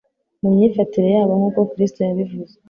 Mu myifatire yabo nk'uko Kristo yabivuze,